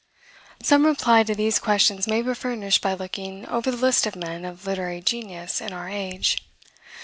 Some reply to these questions may be furnished by looking over the list of men of literary genius in our age.